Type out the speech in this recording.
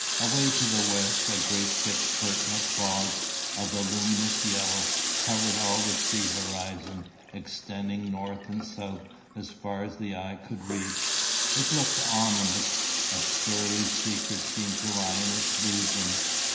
Away to the west, a great thick curtain of fog, of a luminous yellow, covered all the sea horizon, extending north and south as far as the eye could reach. It looked ominous. A surly secret seemed to lie in its bosom.